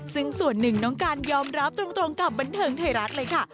ซึ่งส่วนหนึ่งน้องการยอมรับตรงกับบันเทิงไทยรัฐเลยค่ะ